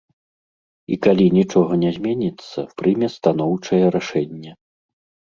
І калі нічога не зменіцца, прыме станоўчае рашэнне.